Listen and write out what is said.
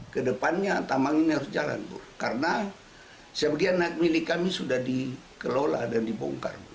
kedepannya tambang ini harus jalan karena sebagian milik kami sudah dikelola dan dibongkar